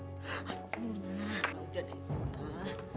ya udah deh